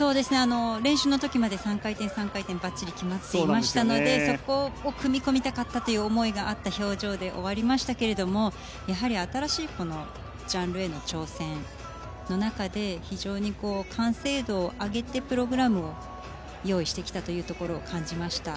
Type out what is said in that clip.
練習の時まで３回転、３回転ばっちり決まっていましたのでそこを組み込みたかったという思いがあった表情で終わりましたけれども新しいジャンルへの挑戦の中で非常に完成度を上げてプログラムを用意してきたと感じました。